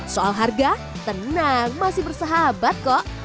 soal harga tenang masih bersahabat kok